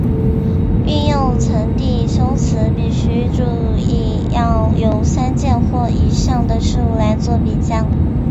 运用层递修辞必须注意要有三件或以上的事物来作比较。